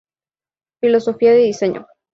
Filosofía de diseño.